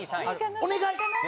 お願い！